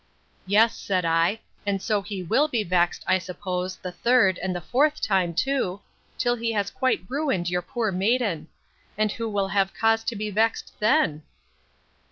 Yes, said I, and so he will be vexed, I suppose, the third, and the fourth time too, till he has quite ruined your poor maiden; and who will have cause to be vexed then?